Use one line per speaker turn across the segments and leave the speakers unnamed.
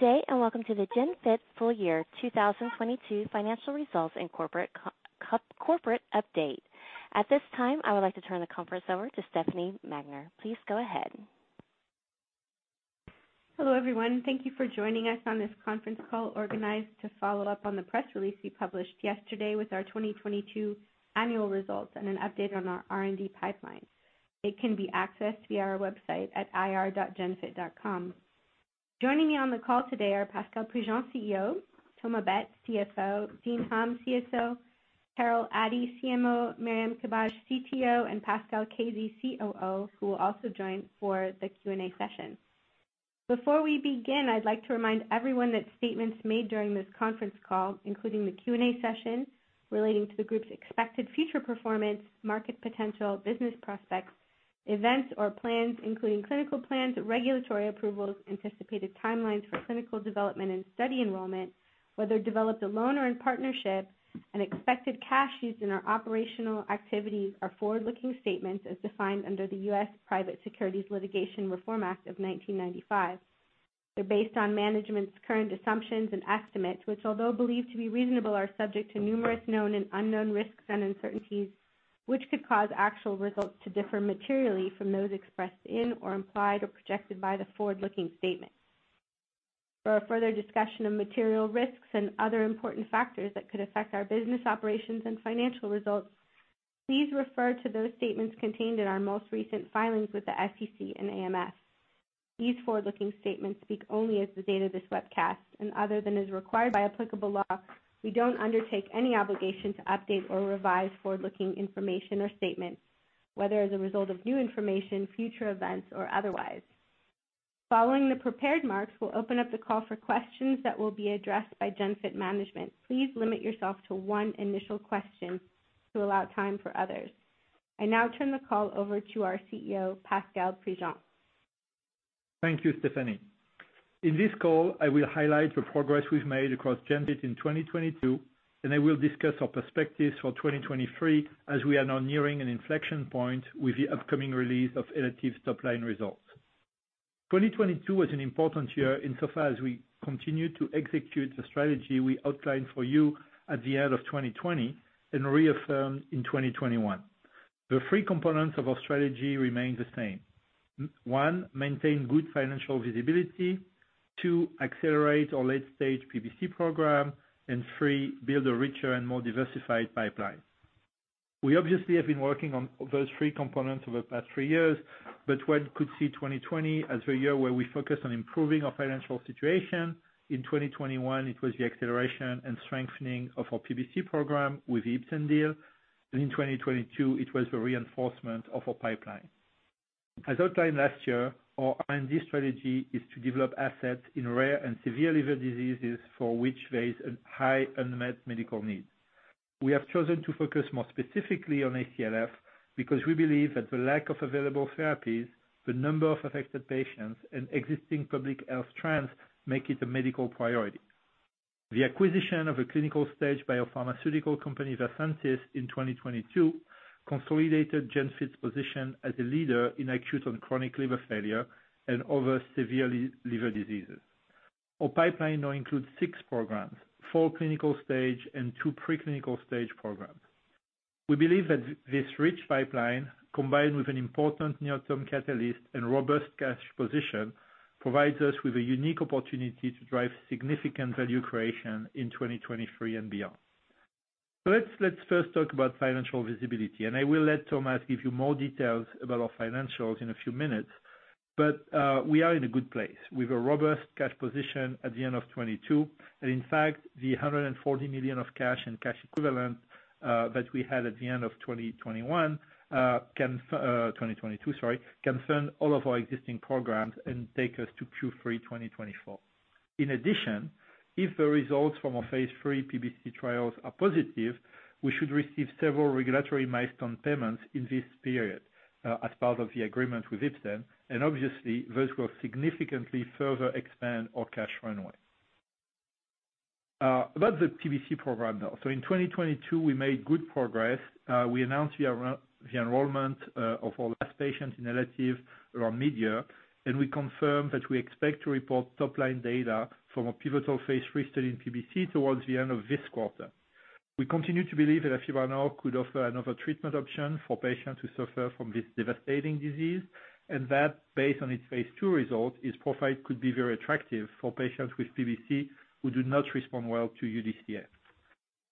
Good day, welcome to the GENFIT full year 2022 financial results and corporate update. At this time, I would like to turn the conference over to Stephanie Magner. Please go ahead.
Hello, everyone. Thank you for joining us on this conference call organized to follow up on the press release we published yesterday with our 2022 annual results and an update on our R&D pipeline. It can be accessed via our website at ir.genfit.com. Joining me on the call today are Pascal Prigent, CEO, Thomas Baetz, CFO, Dean Hum, CSO, Carol Addy, CMO, Mariam Kabaj, CTO, and Pascal Caisey, COO, who will also join for the Q&A session. Before we begin, I'd like to remind everyone that statements made during this conference call, including the Q&A session relating to the group's expected future performance, market potential, business prospects, events or plans including clinical plans, regulatory approvals, anticipated timelines for clinical development and study enrollment, whether developed alone or in partnership and expected cash used in our operational activities are forward-looking statements as defined under the U.S. Private Securities Litigation Reform Act of 1995. They're based on management's current assumptions and estimates, which although believed to be reasonable, are subject to numerous known and unknown risks and uncertainties, which could cause actual results to differ materially from those expressed in or implied or projected by the forward-looking statements. For a further discussion of material risks and other important factors that could affect our business operations and financial results, please refer to those statements contained in our most recent filings with the SEC and AMF. These forward-looking statements speak only as of the date of this webcast and other than is required by applicable law, we don't undertake any obligation to update or revise forward-looking information or statements, whether as a result of new information, future events or otherwise. Following the prepared remarks, we'll open up the call for questions that will be addressed by GENFIT management. Please limit yourself to one initial question to allow time for others. I now turn the call over to our CEO, Pascal Prigent.
Thank you, Stephanie. In this call, I will highlight the progress we've made across GENFIT in 2022. I will discuss our perspectives for 2023 as we are now nearing an inflection point with the upcoming release of ELATIVE top-line results. 2022 was an important year insofar as we continued to execute the strategy we outlined for you at the end of 2020 and reaffirmed in 2021. The 3 components of our strategy remain the same. 1, maintain good financial visibility. 2, accelerate our late stage PBC program. 3, build a richer and more diversified pipeline. We obviously have been working on those 3 components over the past 3 years. One could see 2020 as a year where we focused on improving our financial situation. In 2021, it was the acceleration and strengthening of our PBC program with the Ipsen deal. In 2022, it was the reinforcement of our pipeline. As outlined last year, our R&D strategy is to develop assets in rare and severe liver diseases for which there is a high unmet medical need. We have chosen to focus more specifically on ACLF because we believe that the lack of available therapies, the number of affected patients and existing public health trends make it a medical priority. The acquisition of a clinical-stage biopharmaceutical company, Versantis, in 2022, consolidated GENFIT's position as a leader in acute and chronic liver failure and other severe liver diseases. Our pipeline now includes six programs, four clinical stage and two pre-clinical stage programs. We believe that this rich pipeline, combined with an important near-term catalyst and robust cash position, provides us with a unique opportunity to drive significant value creation in 2023 and beyond. Let's first talk about financial visibility, and I will let Thomas give you more details about our financials in a few minutes. We are in a good place with a robust cash position at the end of 2022. In fact, the 140 million of cash and cash equivalents that we had at the end of 2021, 2022, can fund all of our existing programs and take us to Q3 2024. In addition, if the results from our phase III PBC trials are positive, we should receive several regulatory milestone payments in this period, as part of the agreement with Ipsen, obviously those will significantly further expand our cash runway. About the PBC program, though. In 2022, we made good progress. We announced the enrollment of our last patient in ELATIVE around mid-year. We confirm that we expect to report top-line data from a pivotal phase III study in PBC towards the end of this quarter. We continue to believe that elafibranor could offer another treatment option for patients who suffer from this devastating disease. Based on its phase II result, its profile could be very attractive for patients with PBC who do not respond well to UDCA.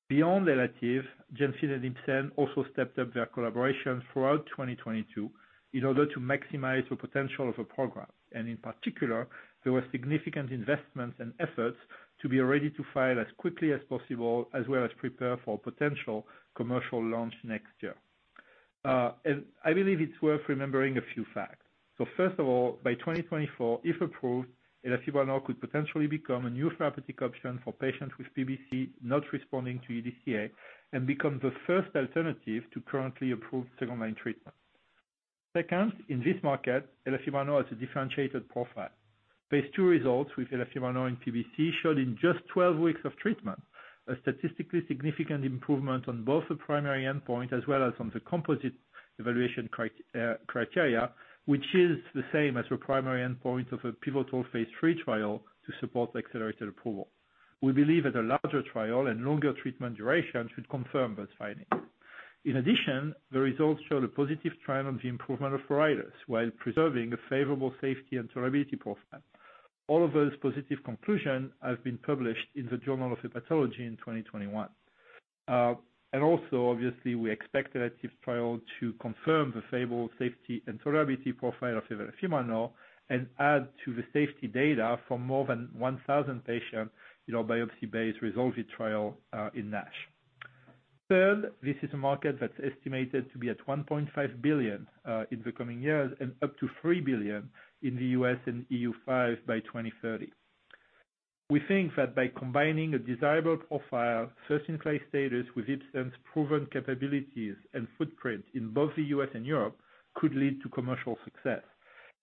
Beyond ELATIVE, GENFIT and Ipsen also stepped up their collaboration throughout 2022 in order to maximize the potential of a program. In particular, there were significant investments and efforts to be ready to file as quickly as possible, as well as prepare for potential commercial launch next year. I believe it's worth remembering a few facts. First of all, by 2024, if approved, elafibranor could potentially become a new therapeutic option for patients with PBC not responding to UDCA and become the first alternative to currently approved second-line treatment. Second, in this market, elafibranor has a differentiated profile. phase II results with elafibranor in PBC showed in just 12 weeks of treatment a statistically significant improvement on both the primary endpoint as well as on the composite evaluation criteria, which is the same as the primary endpoint of a pivotal phase III trial to support accelerated approval. We believe that a larger trial and longer treatment duration should confirm those findings. In addition, the results show a positive trend on the improvement of pruritus while preserving a favorable safety and tolerability profile. All of those positive conclusion have been published in the Journal of Hepatology in 2021. Also obviously we expect the ELATIVE trial to confirm the favorable safety and tolerability profile of elafibranor and add to the safety data for more than 1,000 patients in our biopsy-based RESOLVE-IT trial in NASH. Third, this is a market that's estimated to be at $1.5 billion in the coming years and up to $3 billion in the US and EU5 by 2030. We think that by combining a desirable profile, first-in-class status with Ipsen's proven capabilities and footprint in both the US and Europe could lead to commercial success.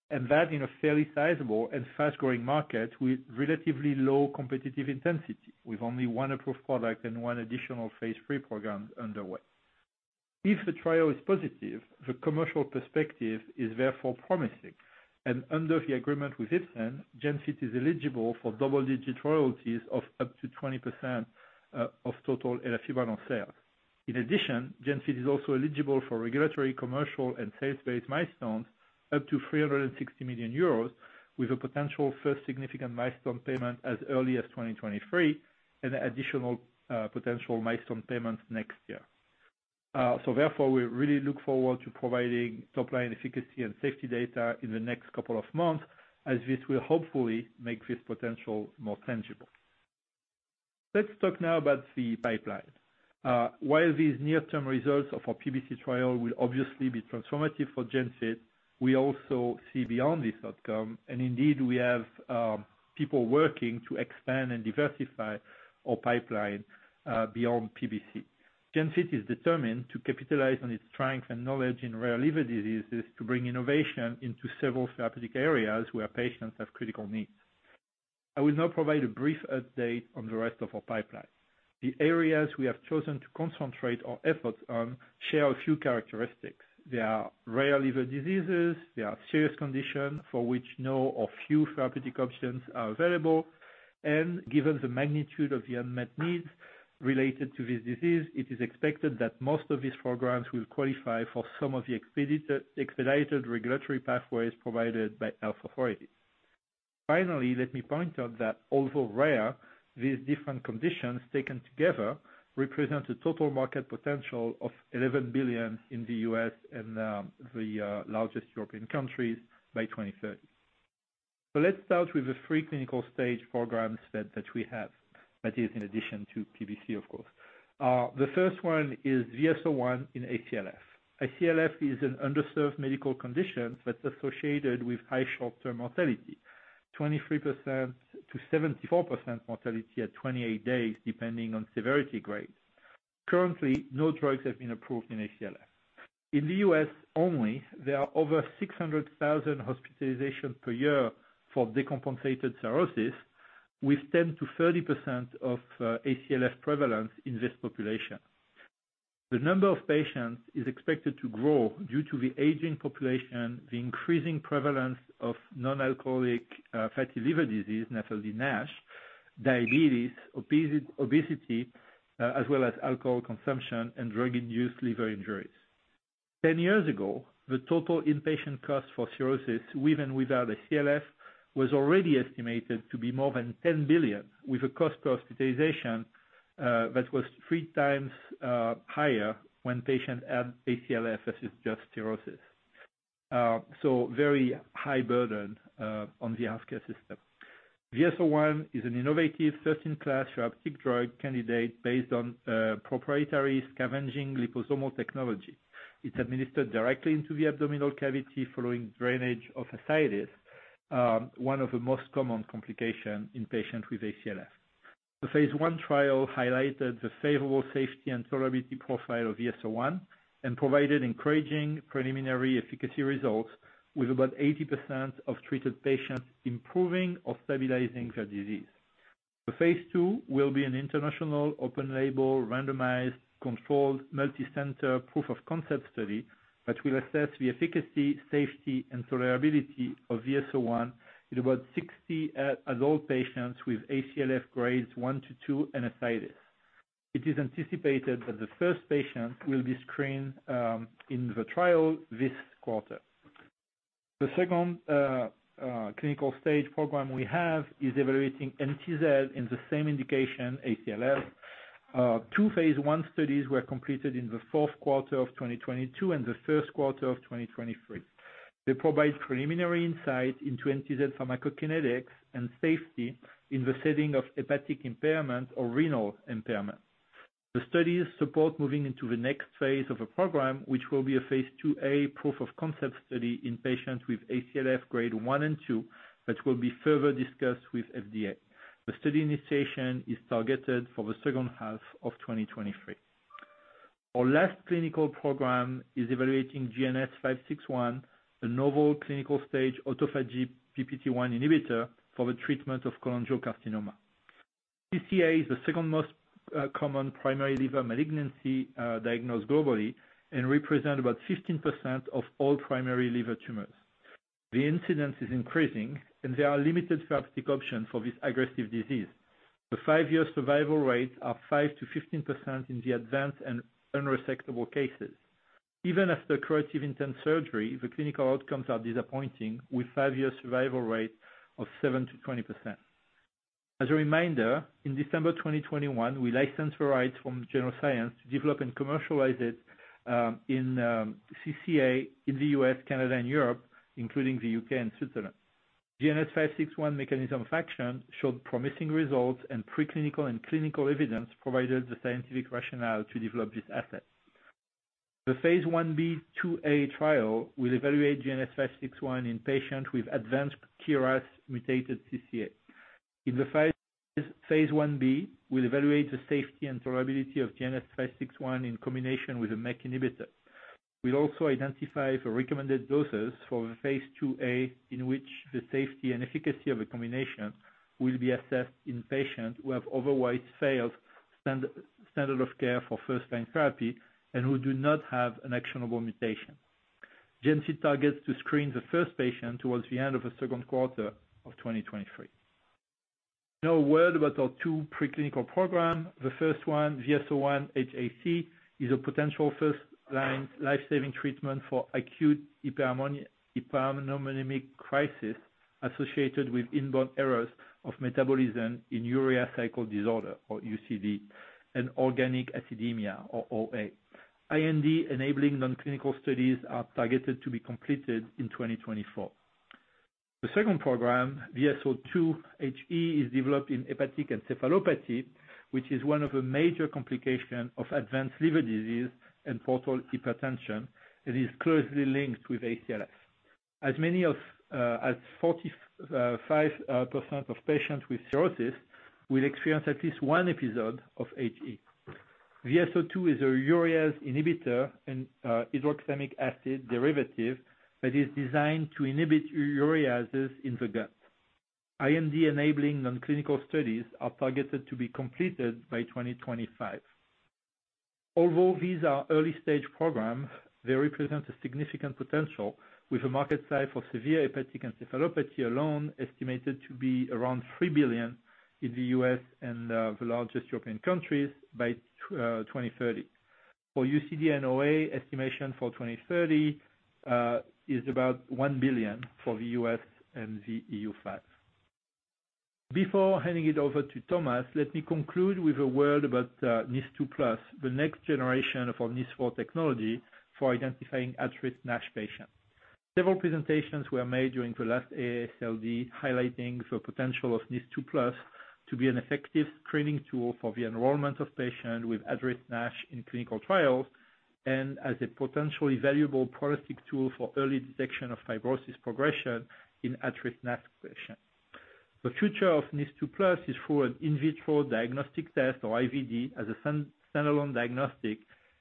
That in a fairly sizable and fast-growing market with relatively low competitive intensity, with only 1 approved product and 1 additional phase III program underway. If the trial is positive, the commercial perspective is therefore promising. Under the agreement with Ipsen, GENFIT is eligible for double-digit royalties of up to 20% of total elafibranor sales. In addition, GENFIT is also eligible for regulatory, commercial, and sales-based milestones up to 360 million euros with a potential first significant milestone payment as early as 2023 and additional potential milestone payments next year. Therefore, we really look forward to providing top-line efficacy and safety data in the next couple of months as this will hopefully make this potential more tangible. Let's talk now about the pipeline. While these near-term results of our PBC trial will obviously be transformative for GENFIT, we also see beyond this outcome, and indeed, we have people working to expand and diversify our pipeline beyond PBC. GENFIT is determined to capitalize on its strength and knowledge in rare liver diseases to bring innovation into several therapeutic areas where patients have critical needs. I will now provide a brief update on the rest of our pipeline. The areas we have chosen to concentrate our efforts on share a few characteristics. They are rare liver diseases, they are serious conditions for which no or few therapeutic options are available. Given the magnitude of the unmet needs related to this disease, it is expected that most of these programs will qualify for some of the expedited regulatory pathways provided by health authorities. Finally, let me point out that although rare, these different conditions taken together represent a total market potential of $11 billion in the US and the largest European countries by 2030. Let's start with the 3 clinical stage programs that we have. That is in addition to PBC, of course. The first one is VS-01 in ACLF. ACLF is an underserved medical condition that's associated with high short-term mortality. 23%-74% mortality at 28 days, depending on severity grades. Currently, no drugs have been approved in ACLF. In the US only, there are over 600,000 hospitalizations per year for decompensated cirrhosis, with 10%-30% of ACLF prevalence in this population. The number of patients is expected to grow due to the aging population, the increasing prevalence of non-alcoholic fatty liver disease, NAFLD/NASH, diabetes, obesity, as well as alcohol consumption and drug-induced liver injuries. 10 years ago, the total inpatient cost for cirrhosis, with and without ACLF, was already estimated to be more than $10 billion, with a cost per hospitalization that was 3 times higher when patients had ACLF versus just cirrhosis. Very high burden on the healthcare system. VS-01 is an innovative first-in-class therapeutic drug candidate based on a proprietary scavenging liposomes technology. It's administered directly into the abdominal cavity following drainage of ascites, one of the most common complications in patients with ACLF. The phase 1 trial highlighted the favorable safety and tolerability profile of VS-01 and provided encouraging preliminary efficacy results with about 80% of treated patients improving or stabilizing their disease. The phase II will be an international open label randomized controlled multi-center proof of concept study that will assess the efficacy, safety, and tolerability of VS-01 in about 60 adult patients with ACLF grades 1 to 2 and ascites. It is anticipated that the first patient will be screened in the trial this quarter. The second clinical stage program we have is evaluating NTZ in the same indication, ACLF. Two phase 1 studies were completed in the fourth quarter of 2022 and the first quarter of 2023. They provide preliminary insight into NTZ pharmacokinetics and safety in the setting of hepatic impairment or renal impairment. The studies support moving into the next phase of a program, which will be a phase IIa proof of concept study in patients with ACLF grade 1 and 2, that will be further discussed with FDA. The study initiation is targeted for the second half of 2023. Our last clinical program is evaluating GNS561, a novel clinical-stage autophagy/PPT1 inhibitor for the treatment of cholangiocarcinoma. CCA is the second most common primary liver malignancy diagnosed globally and represent about 15% of all primary liver tumors. The incidence is increasing. There are limited therapeutic options for this aggressive disease. The five-year survival rates are 5%-15% in the advanced and unresectable cases. Even after curative-intent surgery, the clinical outcomes are disappointing, with five-year survival rate of 7%-20%. As a reminder, in December 2021, we licensed the rights from Genoscience Pharma to develop and commercialize it in CCA in the US, Canada, and Europe, including the UK and Switzerland. GNS561 mechanism of action showed promising results, and preclinical and clinical evidence provided the scientific rationale to develop this asset. The phase I-B/II--A trial will evaluate GNS561 in patients with advanced KRAS-mutated CCA. In the phase I-B, we'll evaluate the safety and tolerability of GNS561 in combination with a MEK inhibitor. We'll also identify the recommended doses for the phase II-A, in which the safety and efficacy of the combination will be assessed in patients who have otherwise failed standard of care for first-line therapy and who do not have an actionable mutation. GENFIT targets to screen the first patient towards the end of the second quarter of 2023. A word about our two preclinical program. The first one, VS01-HAC, is a potential first-line life-saving treatment for acute hyperammonemic crisis associated with inborn errors of metabolism in urea cycle disorder, or UCD, and organic acidemia, or OA. IND-enabling non-clinical studies are targeted to be completed in 2024. The second program, VS02-HE, is developed in hepatic encephalopathy, which is one of the major complication of advanced liver disease and portal hypertension, and is closely linked with ACLF. As many as 45% of patients with cirrhosis will experience at least one episode of HE. VS02 is a urease inhibitor and a hydroxamic acid derivative that is designed to inhibit ureases in the gut. IND-enabling non-clinical studies are targeted to be completed by 2025. Although these are early stage programs, they represent a significant potential, with a market size for severe hepatic encephalopathy alone estimated to be around $3 billion in the US and the largest European countries by 2030. For UCD and OA, estimation for 2030 is about $1 billion for the US and the EU5. Before handing it over to Thomas, let me conclude with a word about NIS2+, the next generation of our NIS4 technology for identifying at-risk NASH patients. Several presentations were made during the last AASLD, highlighting the potential of NIS2+ to be an effective screening tool for the enrollment of patients with at-risk NASH in clinical trials and as a potentially valuable prognostic tool for early detection of fibrosis progression in at-risk NASH patients. The future of NIS2+ is through an in vitro diagnostic test, or IVD, as a standalone diagnostic.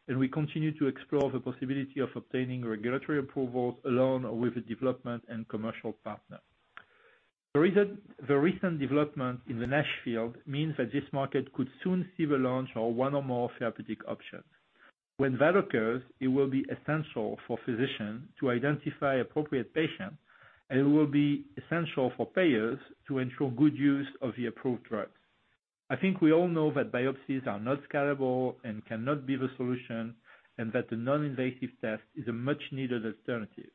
We continue to explore the possibility of obtaining regulatory approvals alone or with a development and commercial partner. The recent development in the NASH field means that this market could soon see the launch of one or more therapeutic options. When that occurs, it will be essential for physicians to identify appropriate patients, and it will be essential for payers to ensure good use of the approved drugs. I think we all know that biopsies are not scalable and cannot be the solution, and that the non-invasive test is a much-needed alternative.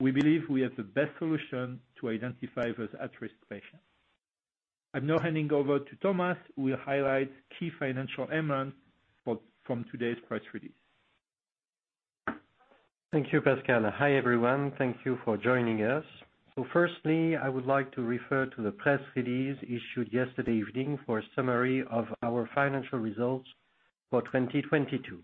We believe we have the best solution to identify those at-risk patients. I'm now handing over to Thomas, who will highlight key financial elements from today's press release.
Thank you, Pascal. Hi, everyone. Thank you for joining us. Firstly, I would like to refer to the press release issued yesterday evening for a summary of our financial results for 2022.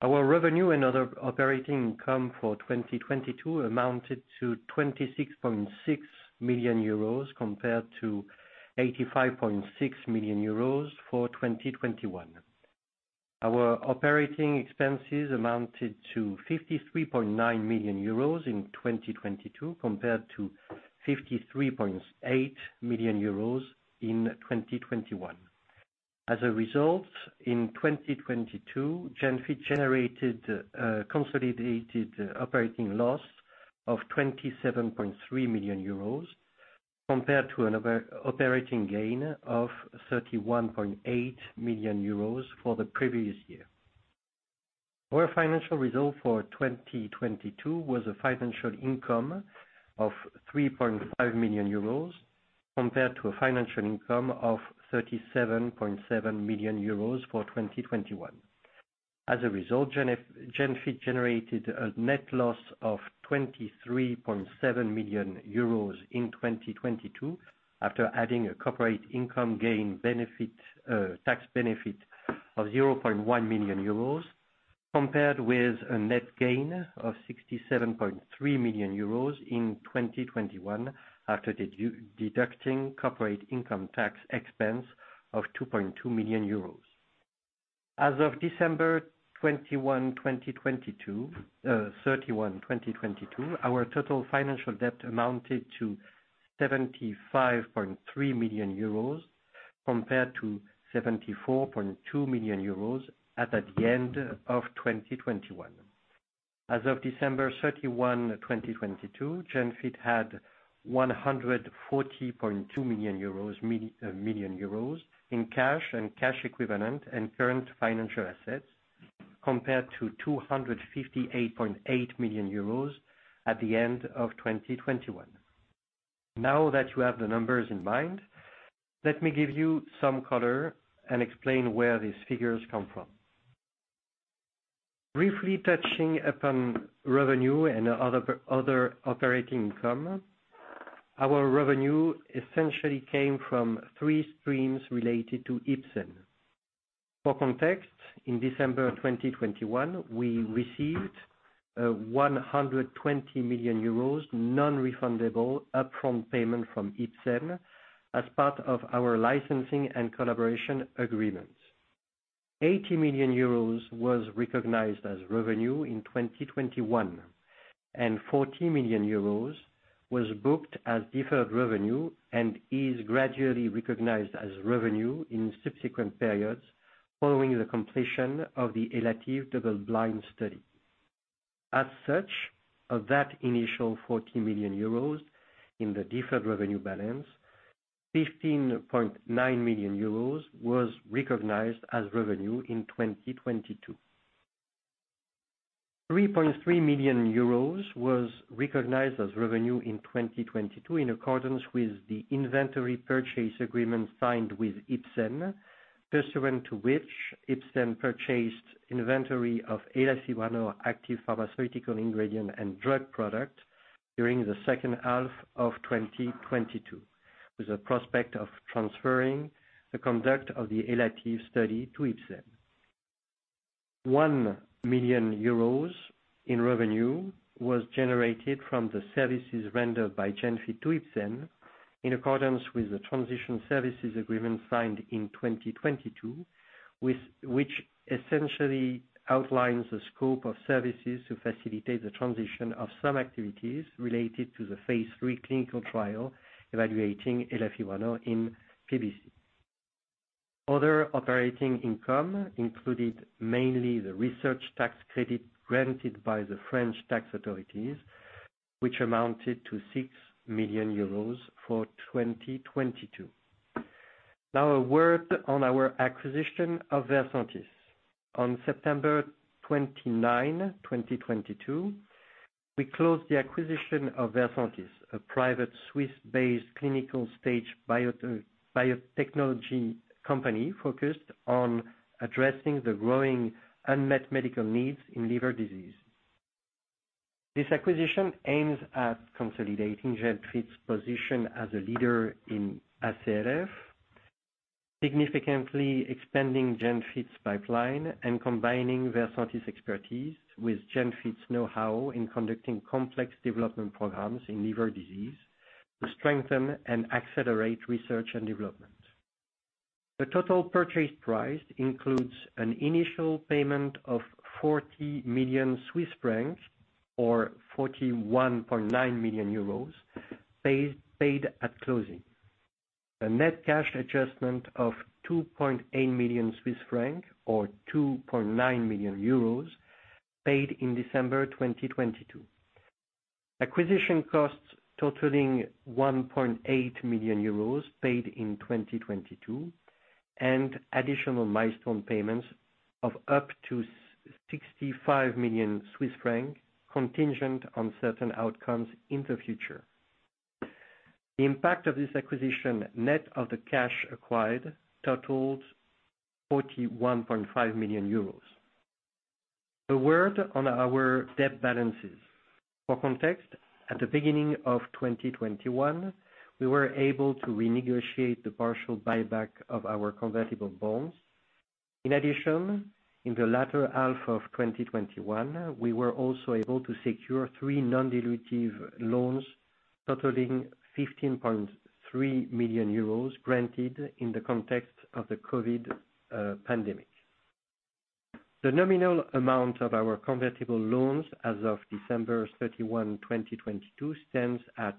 Our revenue and other operating income for 2022 amounted to 26.6 million euros compared to 85.6 million euros for 2021. Our operating expenses amounted to 53.9 million euros in 2022 compared to 53.8 million euros in 2021. As a result, in 2022, GENFIT generated a consolidated operating loss of 27.3 million euros compared to an operating gain of 31.8 million euros for the previous year. Our financial result for 2022 was a financial income of 3.5 million euros compared to a financial income of 37.7 million euros for 2021. As a result, GENFIT generated a net loss of 23.7 million euros in 2022 after adding a copyright income gain benefit, tax benefit of 0.1 million euros. Compared with a net gain of 67.3 million euros in 2021 after deducting corporate income tax expense of 2.2 million euros. As of December 31, 2022, our total financial debt amounted to 75.3 million euros compared to 74.2 million euros at the end of 2021. As of December 31, 2022, GENFIT had 140.2 million euros in cash and cash equivalent and current financial assets compared to 258.8 million euros at the end of 2021. Now that you have the numbers in mind, let me give you some color and explain where these figures come from. Briefly touching upon revenue and other operating income. Our revenue essentially came from three streams related to Ipsen. For context, in December 2021, we received a 120 million euros non-refundable upfront payment from Ipsen as part of our licensing and collaboration agreement. 80 million euros was recognized as revenue in 2021, and 40 million euros was booked as deferred revenue and is gradually recognized as revenue in subsequent periods following the completion of the ELATIVE double-blind study. As such, of that initial 40 million euros in the deferred revenue balance, 15.9 million euros was recognized as revenue in 2022. EUR 3.3 million was recognized as revenue in 2022, in accordance with the inventory purchase agreement signed with Ipsen, pursuant to which Ipsen purchased inventory of elafibranor active pharmaceutical ingredient and drug product during the second half of 2022, with the prospect of transferring the conduct of the ELATIVE study to Ipsen. 1 million euros in revenue was generated from the services rendered by GENFIT to Ipsen in accordance with the transition services agreement signed in 2022, which essentially outlines the scope of services to facilitate the transition of some activities related to the phase III clinical trial evaluating elafibranor in PBC. Other operating income included mainly the research tax credit granted by the French tax authorities, which amounted to 6 million euros for 2022. A word on our acquisition of Versantis. On September 29, 2022, we closed the acquisition of Versantis, a private Swiss-based clinical-stage biotechnology company focused on addressing the growing unmet medical needs in liver disease. This acquisition aims at consolidating GENFIT's position as a leader in ACLF, significantly expanding GENFIT's pipeline, and combining Versantis' expertise with GENFIT's know-how in conducting complex development programs in liver disease to strengthen and accelerate research and development. The total purchase price includes an initial payment of 40 million Swiss francs, or 41.9 million euros paid at closing. A net cash adjustment of 2.8 million Swiss francs, or 2.9 million euros, paid in December 2022. Acquisition costs totaling 1.8 million euros paid in 2022, and additional milestone payments of up to 65 million Swiss francs, contingent on certain outcomes in the future. The impact of this acquisition, net of the cash acquired, totals 41.5 million euros. A word on our debt balances. For context, at the beginning of 2021, we were able to renegotiate the partial buyback of our convertible bonds. In the latter half of 2021, we were also able to secure three non-dilutive loans totaling 15.3 million euros granted in the context of the COVID pandemic. The nominal amount of our convertible loans as of December 31, 2022, stands at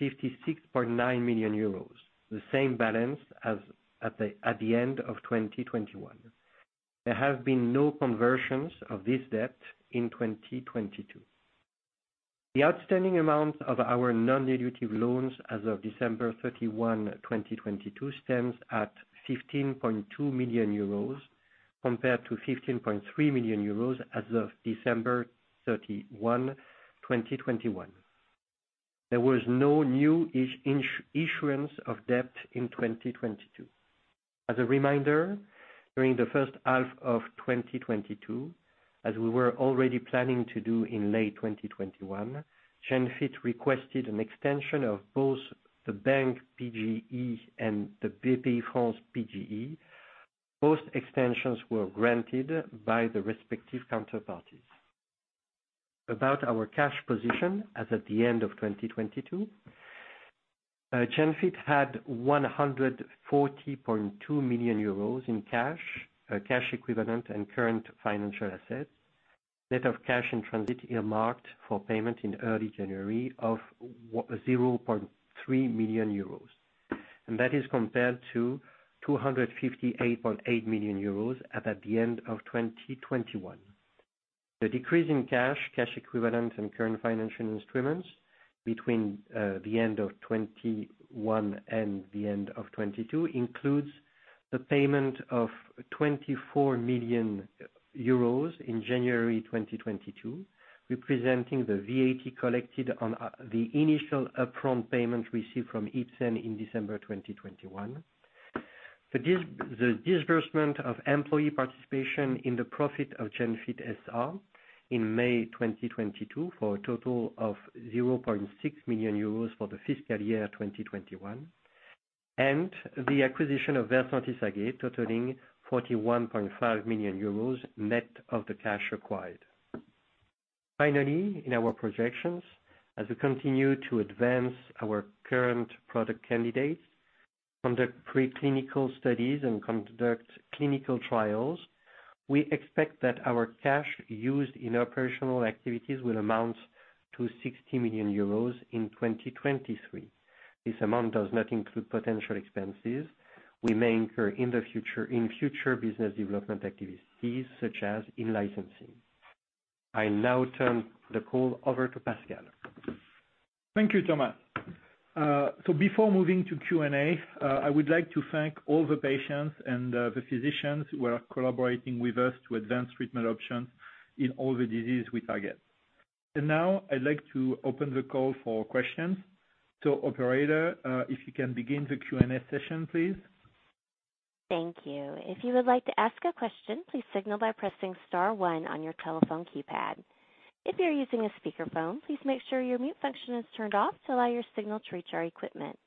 56.9 million euros, the same balance as at the end of 2021. There have been no conversions of this debt in 2022. The outstanding amount of our non-dilutive loans as of December 31, 2022, stands at 15.2 million euros compared to 15.3 million euros as of December 31, 2021. There was no new issuance of debt in 2022. As a reminder, during the first half of 2022, as we were already planning to do in late 2021, GENFIT requested an extension of The bank PGE and the Bpifrance PGE. Both extensions were granted by the respective counterparties. About our cash position as of the end of 2022, GENFIT had 140.2 million euros in cash equivalent and current financial assets. Net of cash in transit earmarked for payment in early January of 0.3 million euros, that is compared to 258.8 million euros as at the end of 2021. The decrease in cash equivalent and current financial instruments between the end of 2021 and the end of 2022 includes the payment of 24 million euros in January 2022, representing the VAT collected on the initial upfront payment received from Ipsen in December 2021. The disbursement of employee participation in the profit of GENFIT S.A. in May 2022 for a total of 0.6 million euros for the fiscal year 2021, and the acquisition of Versantis AG totaling 41.5 million euros net of the cash acquired. In our projections, as we continue to advance our current product candidates from the preclinical studies and conduct clinical trials, we expect that our cash used in operational activities will amount to 60 million euros in 2023. This amount does not include potential expenses we may incur in future business development activities such as in-licensing. I now turn the call over to Pascal.
Thank you, Thomas. Before moving to Q&A, I would like to thank all the patients and the physicians who are collaborating with us to advance treatment options in all the diseases we target. And now I'd like to open the call for questions. Operator, if you can begin the Q&A session, please.
Thank you. If you would like to ask a question, please signal by pressing star one on your telephone keypad. If you're using a speakerphone, please make sure your mute function is turned off to allow your signal to reach our equipment.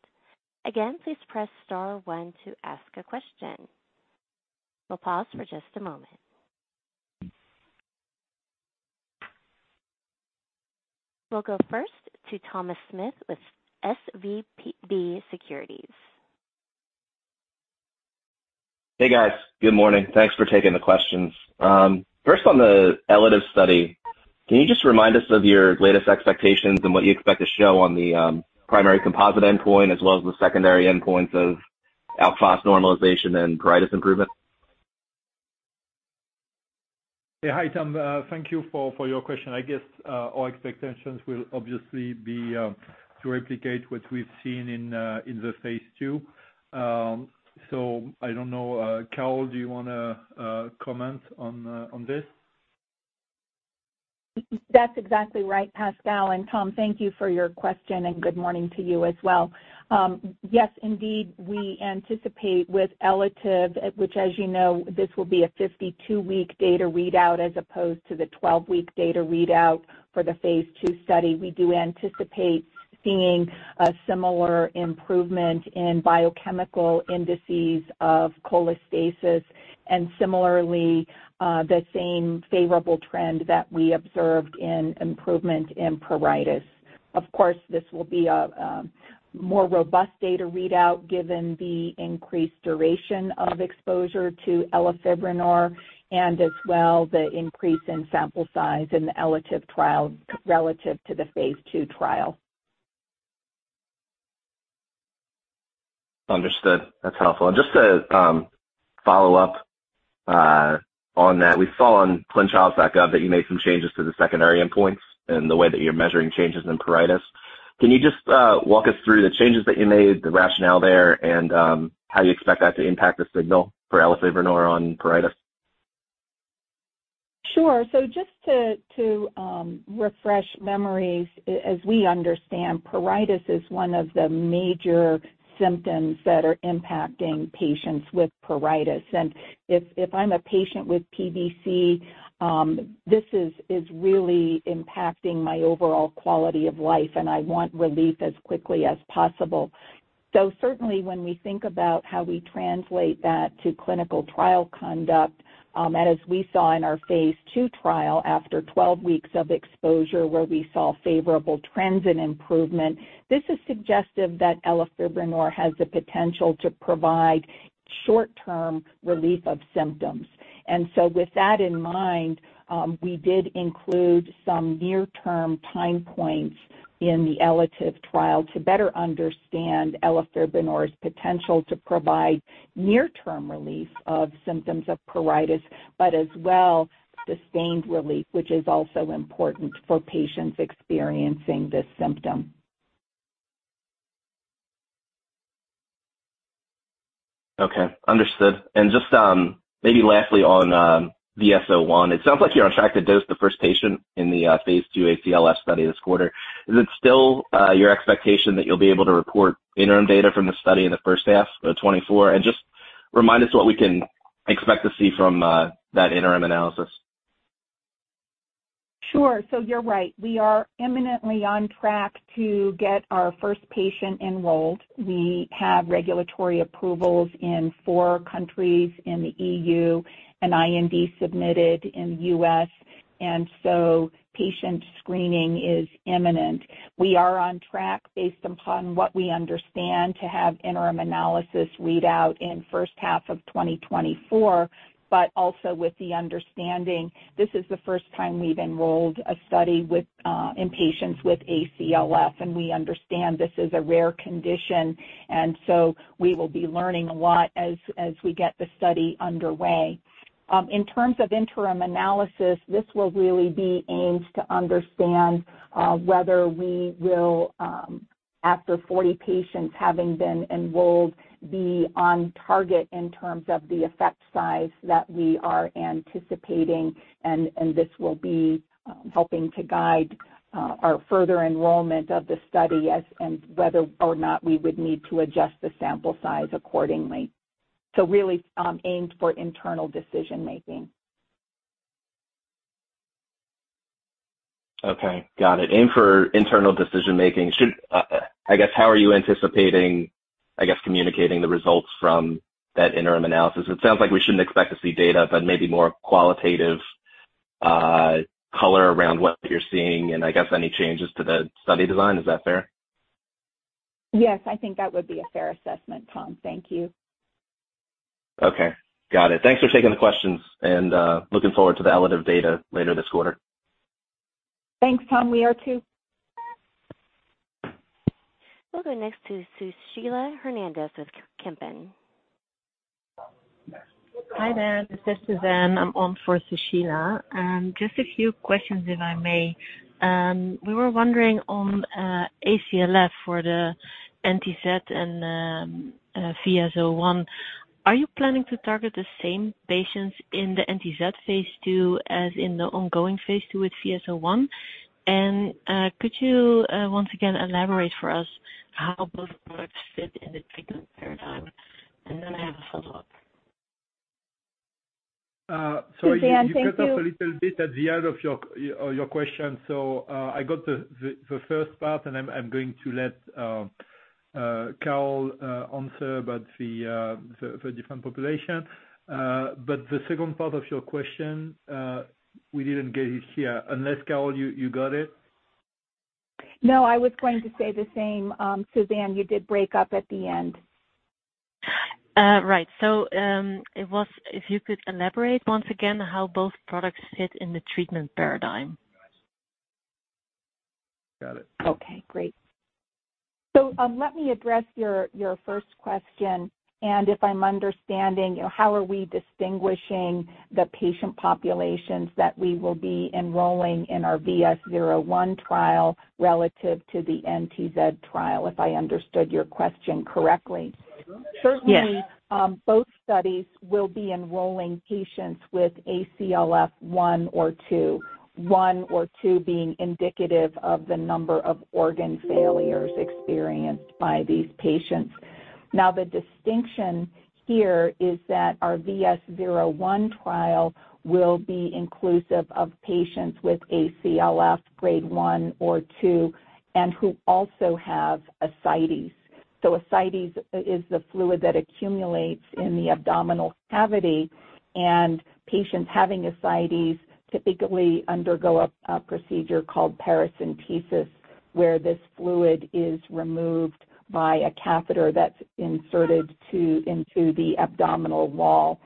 Again, please press star one to ask a question. We'll pause for just a moment. We'll go first to Thomas Smith with SVB Securities.
Hey, guys. Good morning. Thanks for taking the questions. First on the ELATIVE study, can you just remind us of your latest expectations and what you expect to show on the primary composite endpoint as well as the secondary endpoints of alk phos normalization and pruritus improvement?
Yeah. Hi, Tom. Thank you for your question. I guess, our expectations will obviously be to replicate what we've seen in the phase II. I don't know, Carol, do you wanna comment on this?
That's exactly right, Pascal. Tom, thank you for your question, and good morning to you as well. Yes, indeed. We anticipate with ELATIVE, which as you know, this will be a 52-week data readout as opposed to the 12-week data readout for the phase II study. We do anticipate seeing a similar improvement in biochemical indices of cholestasis and similarly, the same favorable trend that we observed in improvement in pruritus. Of course, this will be a more robust data readout given the increased duration of exposure to elafibranor and as well the increase in sample size in the ELATIVE trial relative to the phase II trial.
Understood. That's helpful. Just to, follow up, on that, we saw on ClinicalTrials.gov that you made some changes to the secondary endpoints and the way that you're measuring changes in pruritus. Can you just, walk us through the changes that you made, the rationale there, and, how you expect that to impact the signal for elafibranor on pruritus?
Sure. Just to refresh memories, as we understand, pruritus is one of the major symptoms that are impacting patients with pruritus. If I'm a patient with PBC, this is really impacting my overall quality of life, and I want relief as quickly as possible. Certainly when we think about how we translate that to clinical trial conduct, as we saw in our phase II trial after 12 weeks of exposure where we saw favorable trends and improvement, this is suggestive that elafibranor has the potential to provide short-term relief of symptoms. With that in mind, we did include some near-term time points in the ELATIVE trial to better understand elafibranor's potential to provide near-term relief of symptoms of pruritus, but as well, sustained relief, which is also important for patients experiencing this symptom.
Okay. Understood. Just maybe lastly on VS-01, it sounds like you're on track to dose the first patient in the phase II ACLF study this quarter. Is it still your expectation that you'll be able to report interim data from the study in the first half of 2024? Just remind us what we can expect to see from that interim analysis.
Sure. You're right. We are imminently on track to get our first patient enrolled. We have regulatory approvals in four countries in the EU, an IND submitted in the US, and so patient screening is imminent. We are on track based upon what we understand to have interim analysis read out in first half of 2024, but also with the understanding this is the first time we've enrolled a study with in patients with ACLF, and we understand this is a rare condition, and so we will be learning a lot as we get the study underway. In terms of interim analysis, this will really be aimed to understand whether we will, after 40 patients having been enrolled, be on target in terms of the effect size that we are anticipating, and this will be helping to guide our further enrollment of the study and whether or not we would need to adjust the sample size accordingly. Really, aimed for internal decision-making.
Okay. Got it. Aimed for internal decision-making. Should, I guess how are you anticipating, I guess, communicating the results from that interim analysis? It sounds like we shouldn't expect to see data, but maybe more qualitative, color around what you're seeing and I guess any changes to the study design. Is that fair?
Yes. I think that would be a fair assessment, Tom. Thank you.
Okay. Got it. Thanks for taking the questions and looking forward to the ELATIVE data later this quarter.
Thanks, Tom. We are too.
We'll go next to Sushila Hernandez with Kempen.
Hi there. This is Suzanne. I'm on for Sushila. just a few questions, if I may. We were wondering on ACLF for the NTZ and VS-01. Are you planning to target the same patients in the NTZ phase II as in the ongoing phase II with VS-01? Could you once again elaborate for us how both products fit in the treatment paradigm? Then I have a follow-up.
Suzanne, thank you.
Sorry. You cut up a little bit at the end of your question. I got the first part, and I'm going to let Carol answer about the different population. The second part of your question, we didn't get it here. Unless, Carol, you got it.
No, I was going to say the same. Suzanne, you did break up at the end.
Right. It was if you could elaborate once again how both products fit in the treatment paradigm?
Got it.
Okay, great.
Let me address your first question. If I'm understanding, how are we distinguishing the patient populations that we will be enrolling in our VS-01 trial relative to the NTZ trial, if I understood your question correctly?
Yes.
Certainly, both studies will be enrolling patients with ACLF 1 or 2, 1 or 2 being indicative of the number of organ failures experienced by these patients. The distinction here is that our VS-01 trial will be inclusive of patients with ACLF grade 1 or 2 and who also have ascites. Ascites is the fluid that accumulates in the abdominal cavity, and patients having ascites typically undergo a procedure called paracentesis, where this fluid is removed by a catheter that's inserted into the abdominal wall.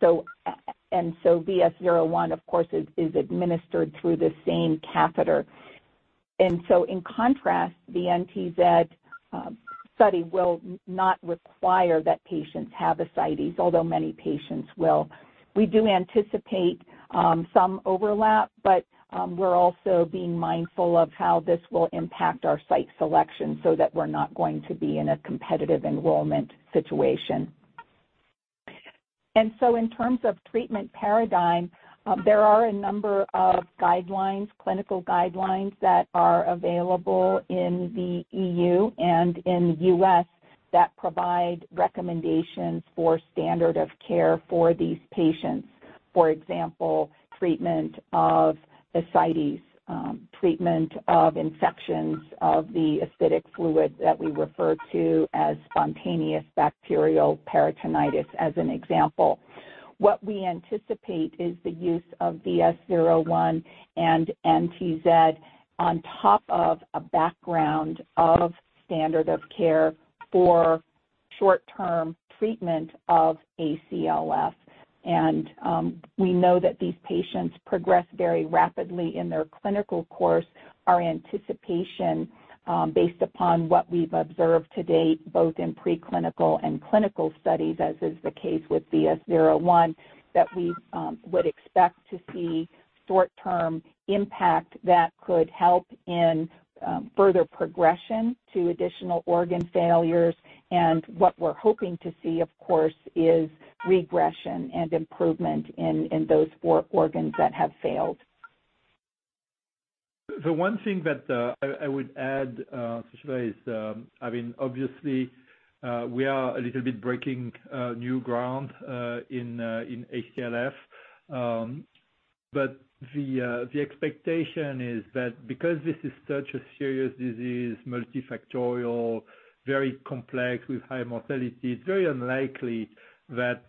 VS-01, of course, is administered through the same catheter. In contrast, the NTZ study will not require that patients have ascites, although many patients will. We do anticipate some overlap, but we're also being mindful of how this will impact our site selection so that we're not going to be in a competitive enrollment situation. In terms of treatment paradigm, there are a number of guidelines, clinical guidelines that are available in the EU and in the US that provide recommendations for standard of care for these patients. For example, treatment of ascites, treatment of infections of the acidic fluid that we refer to as spontaneous bacterial peritonitis, as an example. What we anticipate is the use of VS-01 and NTZ on top of a background of standard of care for short-term treatment of ACLF. We know that these patients progress very rapidly in their clinical course. Our anticipation, based upon what we've observed to date, both in preclinical and clinical studies, as is the case with VS-01, that we would expect to see short-term impact that could help in further progression to additional organ failures. What we're hoping to see, of course, is regression and improvement in those organs that have failed.
The one thing that I would add, Sushila, is, I mean, obviously, we are a little bit breaking new ground in ACLF. The expectation is that because this is such a serious disease, multifactorial, very complex with high mortality, it's very unlikely that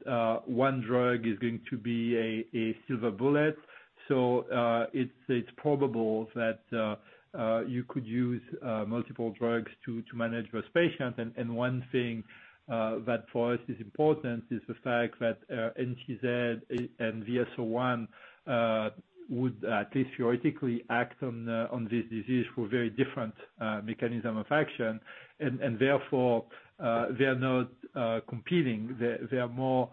one drug is going to be a silver bullet. It's probable that you could use multiple drugs to manage this patient. One thing that for us is important is the fact that NTZ and VS-01 would at least theoretically act on this disease for very different mechanism of action. Therefore, they are not competing. They are more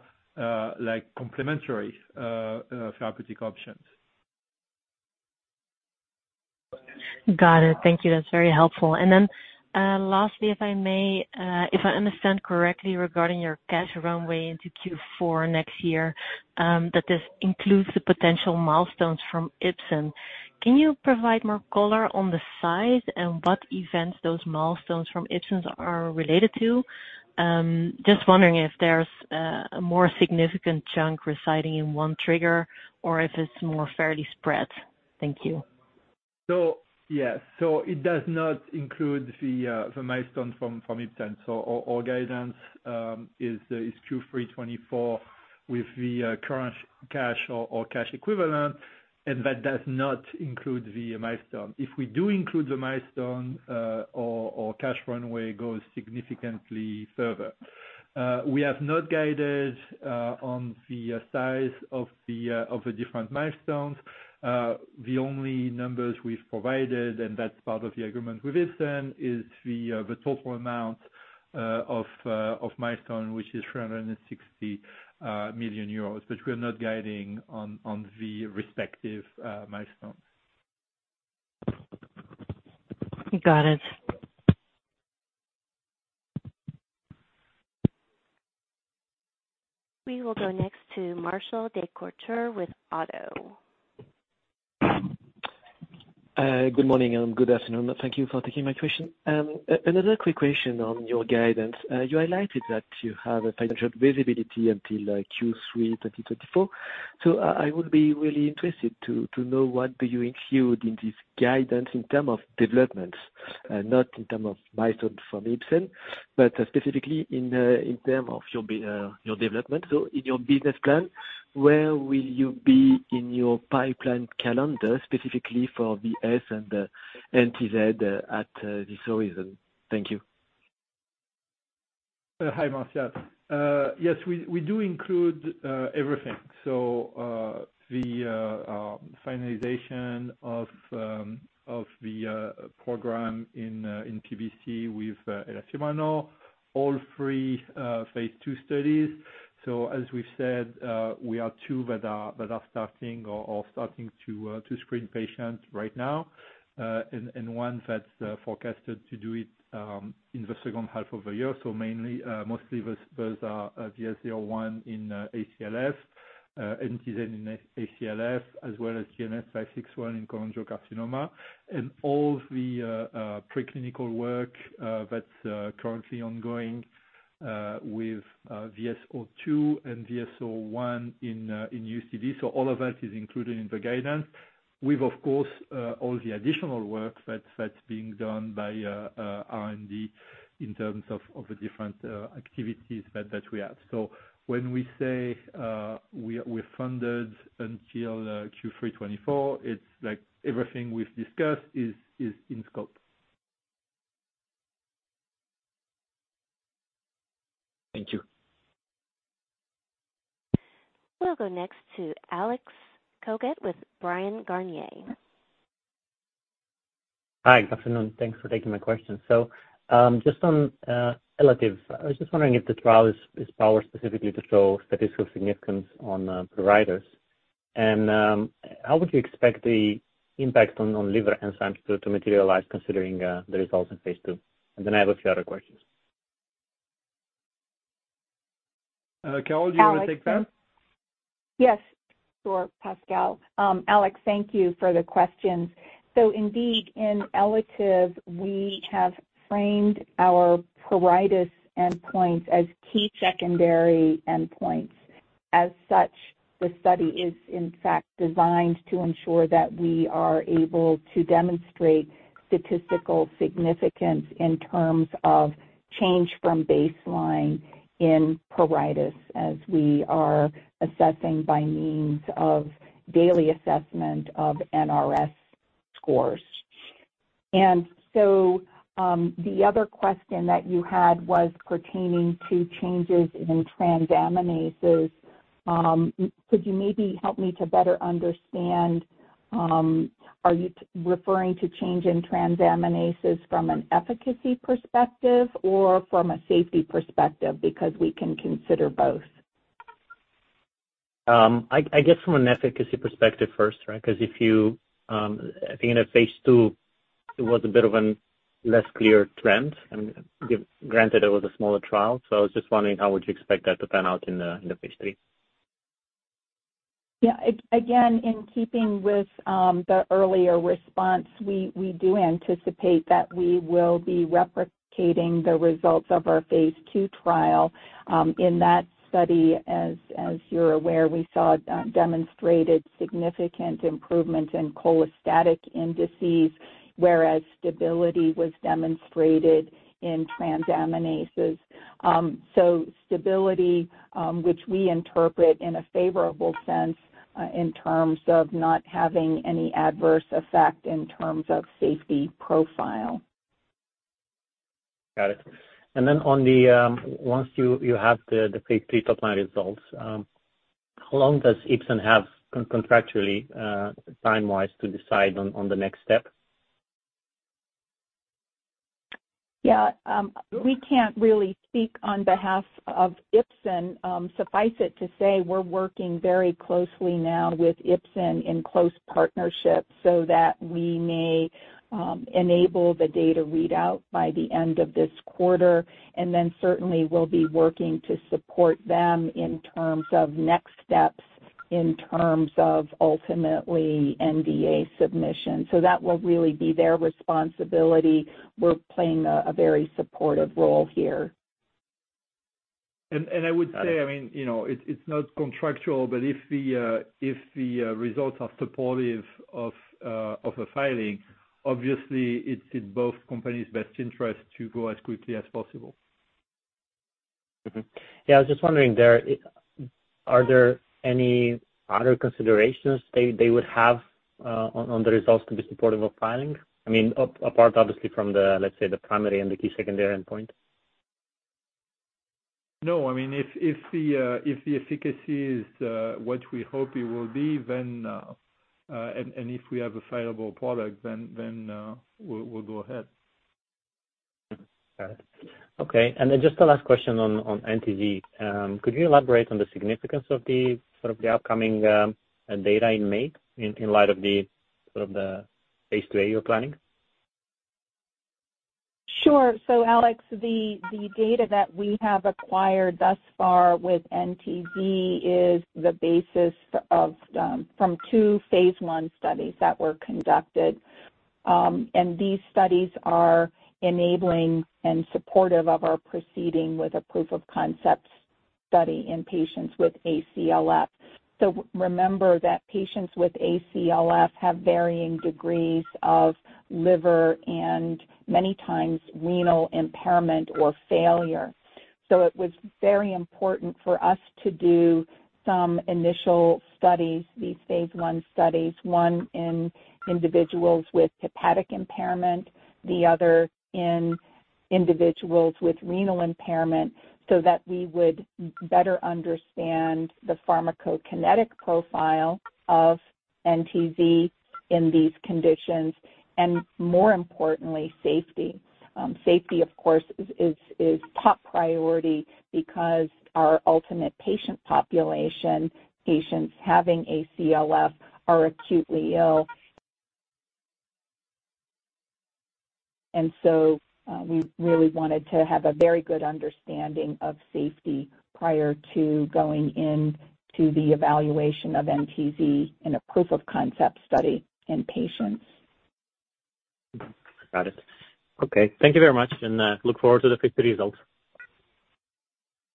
like complementary therapeutic options.
Got it. Thank you. That's very helpful. Lastly, if I may, if I understand correctly regarding your cash runway into Q4 next year, that this includes the potential milestones from Ipsen. Can you provide more color on the size and what events those milestones from Ipsen are related to? Just wondering if there's a more significant chunk residing in one trigger or if it's more fairly spread. Thank you.
Yes. It does not include the milestone from Ipsen. Our guidance is Q3 2024 with the current cash or cash equivalent, and that does not include the milestone. If we do include the milestone, our cash runway goes significantly further. We have not guided on the size of the different milestones. The only numbers we've provided, and that's part of the agreement with Ipsen, is the total amount of milestone, which is 360 million euros, but we're not guiding on the respective milestones.
Got it.
We will go next to Martial Descoutures with ODDO.
Good morning and good afternoon. Thank you for taking my question. Another quick question on your guidance. You highlighted that you have a financial visibility until Q3 2024. I would be really interested to know what do you include in this guidance in term of developments, not in term of milestone from Ipsen, but specifically in term of your development. In your business plan, where will you be in your pipeline calendar specifically for VS and NTZ at this horizon? Thank you.
Hi, Martial. Yes, we do include everything. The finalization of the program in PBC with Eli Lilly, all 3 phase II studies. As we've said, we have 2 that are starting or starting to screen patients right now, and 1 that's forecasted to do it in the second half of the year. Mainly, mostly those are VS-01 in ACLF, NTZ in ACLF, as well as GNS561 in cholangiocarcinoma. All the preclinical work that's currently ongoing with VS-02 and VS-01 in UCD. All of that is included in the guidance. We've of course, all the additional work that's being done by R&D in terms of the different activities that we have. When we say, we're funded until Q3 2024, it's like everything we've discussed is in scope.
Thank you.
We'll go next to Alex Cogut with Bryan, Garnier & Co.
Hi. Good afternoon. Thanks for taking my question. Just on Elative, I was just wondering if the trial is powered specifically to show statistical significance on pruritus. How would you expect the impact on liver enzymes to materialize considering the results in phase II? I have a few other questions.
Carol, do you want to take that?
Alex? Yes, sure, Pascal. Alex, thank you for the questions. Indeed, in ELATIVE, we have framed our pruritus endpoints as key secondary endpoints. As such, the study is in fact designed to ensure that we are able to demonstrate statistical significance in terms of change from baseline in pruritus as we are assessing by means of daily assessment of NRS scores. The other question that you had was pertaining to changes in transaminases. Could you maybe help me to better understand, are you referring to change in transaminases from an efficacy perspective or from a safety perspective? Because we can consider both.
I guess from an efficacy perspective first, right? If you, I think in a phase II, it was a bit of an less clear trend. I mean, granted it was a smaller trial. I was just wondering how would you expect that to pan out in the phase III.
Again, in keeping with the earlier response, we do anticipate that we will be replicating the results of our phase II trial. In that study, as you're aware, we saw demonstrated significant improvement in cholestatic indices, whereas stability was demonstrated in transaminases. Stability, which we interpret in a favorable sense, in terms of not having any adverse effect in terms of safety profile.
Got it. Once you have the phase III top-line results, how long does Ipsen have contractually time-wise to decide on the next step?
Yeah. We can't really speak on behalf of Ipsen. Suffice it to say we're working very closely now with Ipsen in close partnership so that we may, enable the data readout by the end of this quarter. Certainly we'll be working to support them in terms of next steps in terms of ultimately NDA submission. That will really be their responsibility. We're playing a very supportive role here.
I would say, I mean, you know, it's not contractual. If the results are supportive of a filing, obviously it's in both companies' best interest to go as quickly as possible.
Yeah, I was just wondering there, are there any other considerations they would have on the results to be supportive of filing? I mean, apart obviously from the, let's say, the primary and the key secondary endpoint.
No. I mean, if the efficacy is what we hope it will be, then, and if we have a saleable product, then we'll go ahead.
Got it. Okay. Just a last question on NTZ. Could you elaborate on the significance of the, sort of the upcoming data in May in light of the, sort of the phase two you're planning?
Sure. Alex, the data that we have acquired thus far with NTZ is the basis of, from 2 phase I studies that were conducted. These studies are enabling and supportive of our proceeding with a proof of concept study in patients with ACLF. Remember that patients with ACLF have varying degrees of liver and, many times, renal impairment or failure. It was very important for us to do some initial studies, these phase I studies, 1 in individuals with hepatic impairment, the other in individuals with renal impairment, so that we would better understand the pharmacokinetic profile of NTZ in these conditions and more importantly, safety. Safety, of course is top priority because our ultimate patient population, patients having ACLF, are acutely ill. We really wanted to have a very good understanding of safety prior to going into the evaluation of NTZ in a proof of concept study in patients.
Got it. Okay. Thank you very much. Look forward to the future results.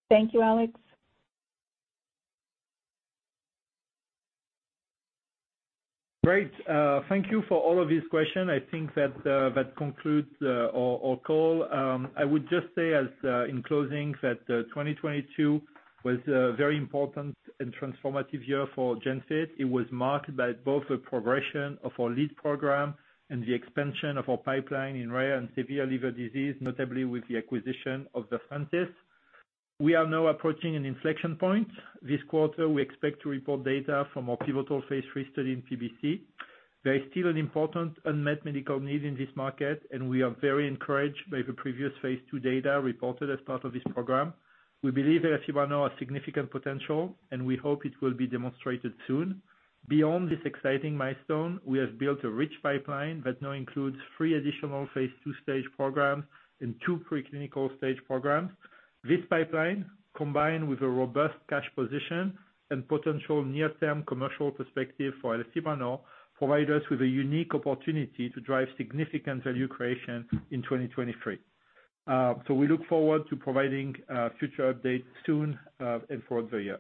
Thank you, Alex.
Great. Thank you for all of these question. I think that that concludes our call. I would just say as in closing that 2022 was a very important and transformative year for GENFIT. It was marked by both the progression of our lead program and the expansion of our pipeline in rare and severe liver disease, notably with the acquisition of Versantis. We are now approaching an inflection point. This quarter, we expect to report data from our pivotal phase III study in PBC. There is still an important unmet medical need in this market, and we are very encouraged by the previous phase II data reported as part of this program. We believe elafibranor has significant potential, and we hope it will be demonstrated soon. Beyond this exciting milestone, we have built a rich pipeline that now includes three additional phase II stage programs and two preclinical stage programs. This pipeline, combined with a robust cash position and potential near-term commercial perspective for elafibranor, provide us with a unique opportunity to drive significant value creation in 2023. So we look forward to providing future updates soon and throughout the year.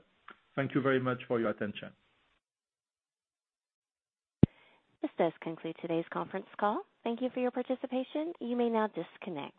Thank you very much for your attention.
This does conclude today's conference call. Thank you for your participation. You may now disconnect.